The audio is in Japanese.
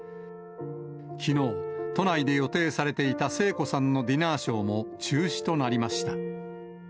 きのう、都内で予定されていた聖子さんのディナーショーも中止となりました。